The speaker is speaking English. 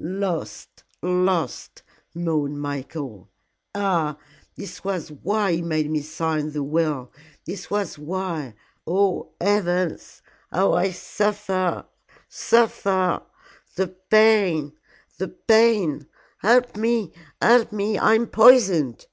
"Lost! Lost!" moaned Michael. "Ah, this was why he made me sign the will this was why oh, heavens! how I suffer suffer the pain the pain. Help me help me! I am poisoned!"